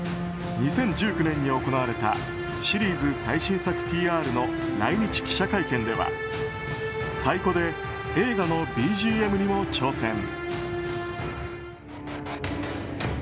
２０１９年に行われたシリーズ最新作ＰＲの来日記者会見では太鼓で映画のＢＧＭにも挑戦。